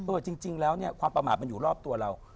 เออจริงแล้วความประมาทมันอยู่รอบตัวเรา